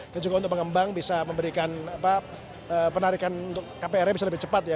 dan juga untuk pengembang bisa memberikan penarikan untuk kpr nya bisa lebih cepat ya